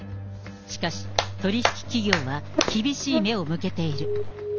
しかし、取り引き企業は、厳しい目を向けている。